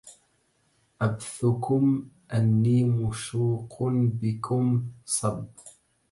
أبثكم أني مشوق بكم صب